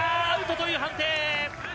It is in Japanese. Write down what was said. アウトという判定。